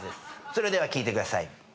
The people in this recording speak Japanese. それでは聴いてください。